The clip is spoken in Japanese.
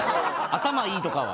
「頭いい」とかは。